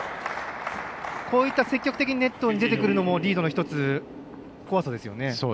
こういった積極的にネットに出てくるのもリードの１つ、怖さですよね。